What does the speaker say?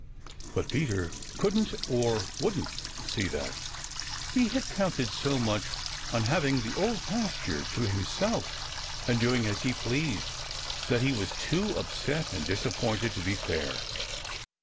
But Peter couldn't or wouldn't see that. He had counted so much on having the Old Pasture to himself and doing as he pleased, that he was too upset and disappointed to be fair.